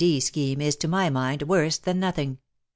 D. scheme is, to my mind, worse than nothing.